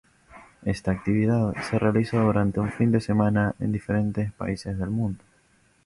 Esta actividad se realiza durante un fin de semana en diferentes países del mundo.